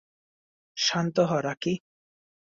শান্ত হ, রাকি!